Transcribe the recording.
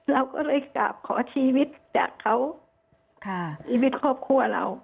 เราก็เลยกราบขอชีวิตจากเขาชีวิตครอบครัวเรา